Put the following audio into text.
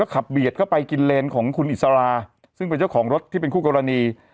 ขับเบียดเข้าไปกินเลนของคุณอิสราซึ่งเป็นเจ้าของรถที่เป็นคู่กรณี